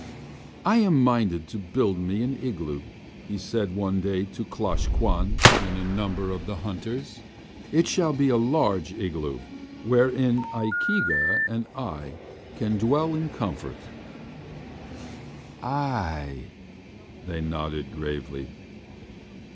"I am minded to build me an igloo," he said one day to Klosh Kwan and a number of the hunters. "It shall be a large igloo, wherein Ikeega and I can dwell in comfort." "Ay," they nodded gravely.